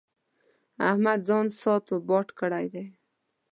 احمد ځان ساټ و باټ کړی دی.